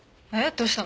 どうしたの？